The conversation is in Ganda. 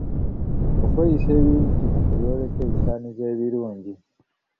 Okweyisa obulungi kimu ku byoleka ebisaanizo ebirungi.